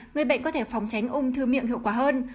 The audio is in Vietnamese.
người bệnh có thể phòng tránh ung thư miệng hiệu quả hơn